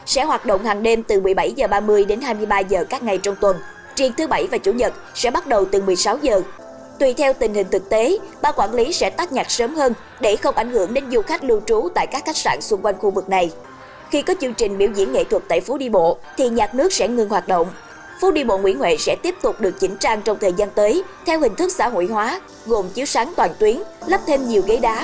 sẽ hoạt động hàng đêm từ một mươi bảy h ba mươi đến một mươi chín h ba mươi cảm ơn quý vị đã theo dõi và hẹn gặp lại